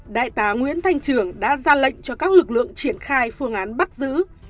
đại tá nguyễn thanh trường đã ra lệnh cho các lực lượng triển khai phương án bắt giữ